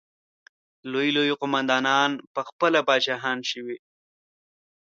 لوی لوی قوماندانان پخپله پاچاهان شوي.